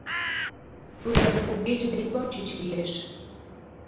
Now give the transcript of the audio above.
тудо Кугече деч ончыч лиеш